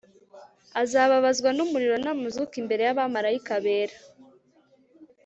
azababazwa n'umuriro n'amazuku imbere y'abamarayika bera